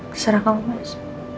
ya serah kamu mas